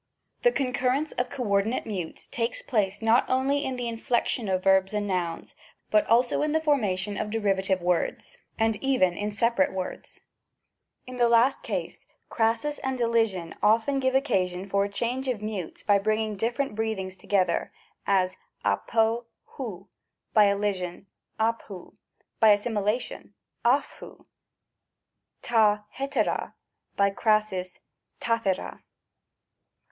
The concurrence of coordinate mutes takes place not only in the inflection of verbs and nouns — but also in the formation of derivative words — and even in sep 20 CHANGES OF MUTES AND LIQUIDS. §6, Y arate words. In the last case crasis and elision often give occasion for a change of mutes by bringing differ ent breathings together, as ccTzb ov ; by elision uti ov^ by assimilation dg) ov ; rd iviga, by crasis d^drtqa.